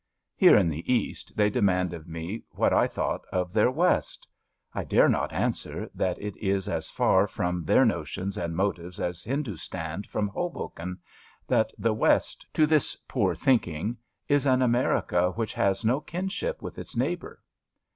Here in the East they de mand of me what I thought of their West, I dare not answer that it is as far from their notions and motives as Hindustan from Hoboken — that the West, to this poor thinking, is an America which has no kinship with its neighbour.